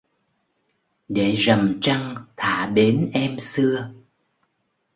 Để rằm trăng thả bến em xưa